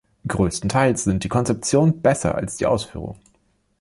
Größtenteils sind die Konzeptionen besser als die Ausführung.